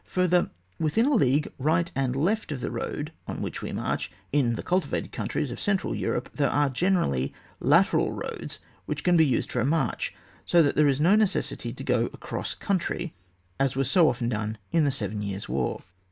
Further, within a league right and left of the road on which we march, in the cultivated countries of central Europe there are, generally, lateral roads which can be used for a march, so that there is no necessity to go across country, as was so often done in the Seven Years' War.